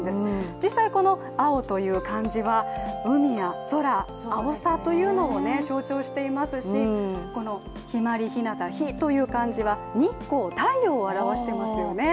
実際この蒼という漢字は海や空、青さを象徴していますし陽葵という漢字は日光、太陽を表していますよね。